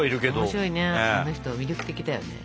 面白いねあの人魅力的だよね。